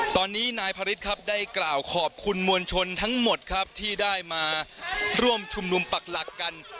ตอนนี้นายพระฤทธิ์ครับได้กล่าวขอบคุณมวลชนทั้งหมดครับที่ได้มาร่วมชุมนุมปักหลักกัน